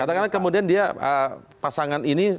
katakanlah kemudian dia pasangan ini